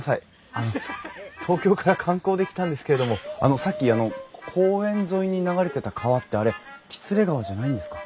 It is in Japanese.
あの東京から観光で来たんですけれどもあのさっきあの公園沿いに流れてた川ってあれ喜連川じゃないんですか？